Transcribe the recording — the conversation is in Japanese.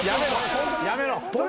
やめろ。